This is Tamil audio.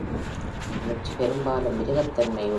உணர்ச்சி பெரும்பாலும் மிருகத்தன்மையுடையது.